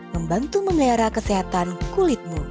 membantu mengelihara kesehatan kulitmu